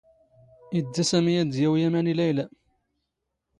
ⵉⴷⴷⴰ ⵙⴰⵎⵉ ⴰⴷ ⴷ ⵢⴰⵡⵉ ⴰⵎⴰⵏ ⵉ ⵍⴰⵢⵍⴰ.